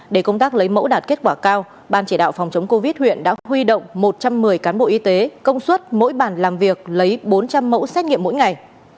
để công tác lấy mẫu đạt kết quả cao ban chỉ đạo phòng chống covid huyện đã huy động một trăm một mươi cán bộ y tế công suất mỗi bàn làm việc lấy bốn trăm linh mẫu xét nghiệm mỗi ngày